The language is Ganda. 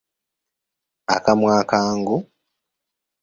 Akamwa akangu,……..